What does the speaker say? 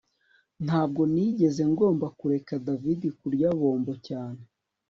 Ntabwo nigeze ngomba kureka David kurya bombo cyane